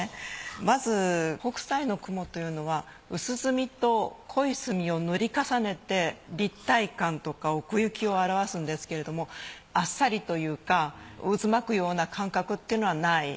まず北斎の雲というのは薄墨と濃い墨を塗り重ねて立体感とか奥行きを表すんですけれどもあっさりというかうずまくような感覚ってのはない。